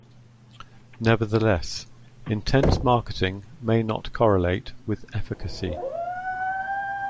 Nevertheless, intense marketing may not correlate with efficacy.